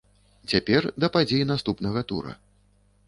Цяпер да падзей наступнага тура.